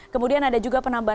kemudian ada juga penambahan